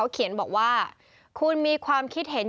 ของความคิดเห็น